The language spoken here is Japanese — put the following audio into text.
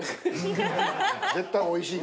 絶対おいしい。